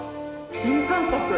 新感覚。